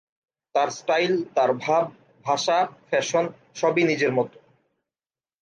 তার স্টাইল, তার ভাব, ভাষা, ফ্যাশন সবই নিজের মতো।